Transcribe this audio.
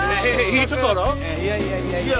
いやいやいやいや。